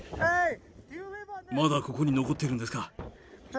まだここに残ってるんですか？